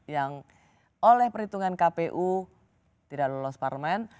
yang oleh perhitungan kpu tidak lolos parlemen